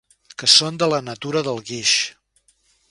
Que són de la natura del guix.